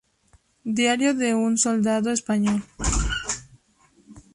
Diario de un soldado español